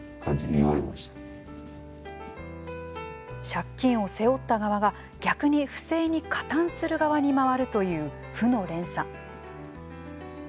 借金を背負った側が逆に不正に加担する側に回るという負の連鎖。